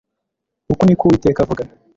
uku ni ko uwiteka avuga